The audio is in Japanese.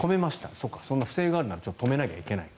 そうか、不正があるなら止めなきゃいけない。